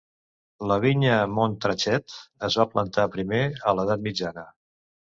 La vinya Montrachet es va plantar primer a l'edat mitjana.